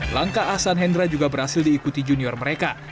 langkah ahsan hendra juga berhasil diikuti junior mereka